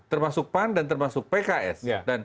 termasuk pan dan termasuk pks